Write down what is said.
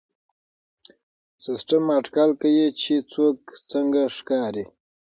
سیسټم اټکل کوي چې څوک څنګه ښکاري.